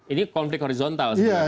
ini konflik horizontal sebenarnya